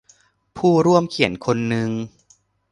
ผู้ร่วมเขียนคนนึง